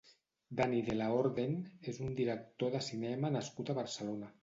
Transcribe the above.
Dani de la Orden és un director de cinema nascut a Barcelona.